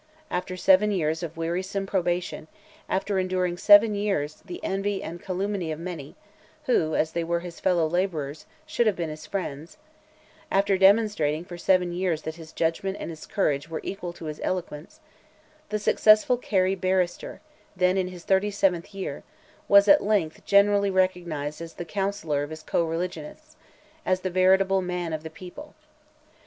After seven years of wearisome probation, after enduring seven years the envy and the calumny of many who, as they were his fellow labourers, should have been his friends; after demonstrating for seven years that his judgment and his courage were equal to his eloquence, the successful Kerry barrister, then in his thirty seventh year, was at length generally recognized as "the counsellor" of his co religionists—as the veritable "Man of the People."